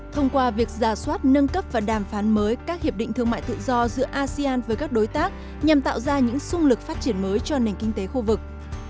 thông qua việc giả soát nâng cấp và đàm phán mới các hiệp định thương mại tự do giữa asean với các đối tác nhằm tạo ra những sung lực phát triển mới cho nền kinh tế khu vực